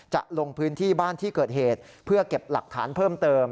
จะลงพื้นที่บ้านที่เกิดเหตุเพื่อเก็บหลักฐานเพิ่มเติม